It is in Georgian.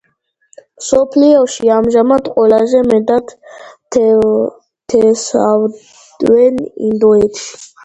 მსოფლიოში ამჟამად ყველაზე მეტად თესავენ ინდოეთში.